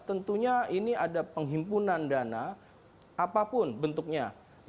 tentunya ini ada penghimpunan dana apapun bentuknya